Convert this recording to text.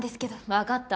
わかった。